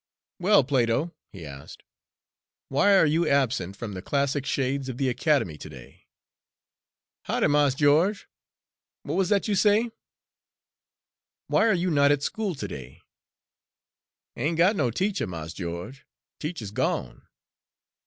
"Well, Plato," he asked, "why are you absent from the classic shades of the academy to day?" "Hoddy, Mars Geo'ge. W'at wuz dat you say?" "Why are you not at school to day?" "Ain' got no teacher, Mars Geo'ge. Teacher's gone!"